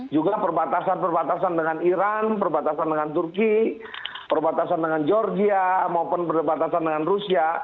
juga perbatasan perbatasan dengan iran perbatasan dengan turki perbatasan dengan georgia maupun perbatasan dengan rusia